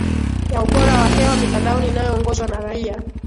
ya ubora wa hewa mitandaoni inayoongozwa na raia